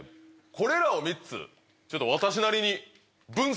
これらを３つちょっと私なりに。